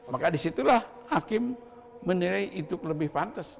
maka disitulah hakim menilai itu lebih pantas